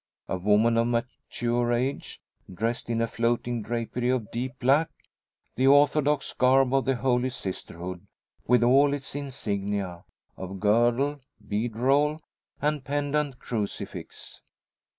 A woman of mature age, dressed in a floating drapery of deep black the orthodox garb of the Holy Sisterhood, with all its insignia, of girdle, bead roll, and pendant crucifix.